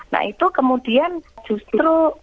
nah itu kemudian justru